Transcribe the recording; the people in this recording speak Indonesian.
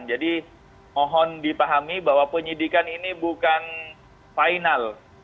jadi mohon dipahami bahwa penyidikan ini bukan final